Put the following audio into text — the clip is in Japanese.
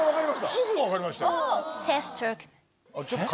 すぐ分かりましたよ。